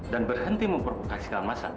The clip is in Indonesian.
dan berhenti memprovokasi kawan masa